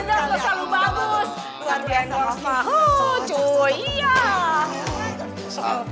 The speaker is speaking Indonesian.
gap bagus kan buat